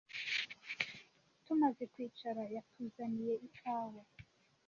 Tumaze kwicara, yatuzaniye ikawa.